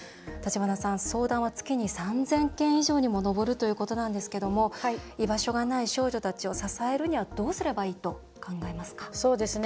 橘さん、相談は月に３０００件以上にも上るということなんですけども居場所がない少女たちを支えるにはどうすればいいと考えますか？